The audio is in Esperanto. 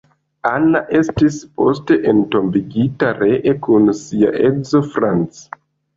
Anna estis poste entombigita ree kun sia edzo Franz.